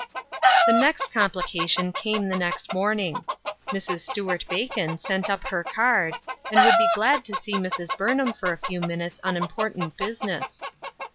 The next complication came the next morning. Mrs. Stuart Bacon sent up her card, and would be glad to see Mrs. Burnham for a few minutes on important business.